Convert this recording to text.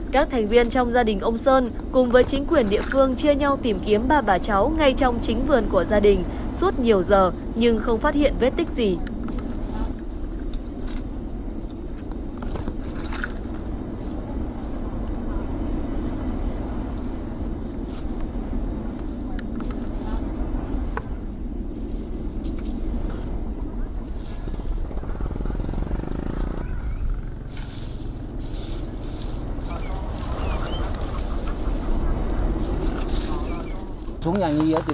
các thành viên trong gia đình ông sơn cùng với chính quyền địa phương chia nhau tìm kiếm ba bà cháu ngay trong chính vườn của gia đình suốt nhiều giờ nhưng không phát hiện vết tích gì